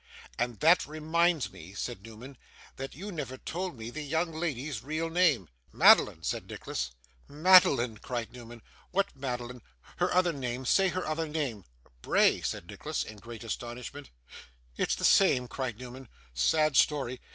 'And that reminds me,' said Newman, 'that you never told me the young lady's real name.' 'Madeline!' said Nicholas. 'Madeline!' cried Newman. 'What Madeline? Her other name. Say her other name.' 'Bray,' said Nicholas, in great astonishment. 'It's the same!' cried Newman. 'Sad story!